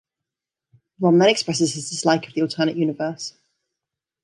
Rom then expresses his dislike of the alternate universe.